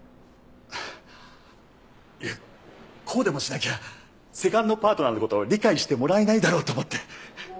いやこうでもしなきゃセカンドパートナーの事理解してもらえないだろうと思って。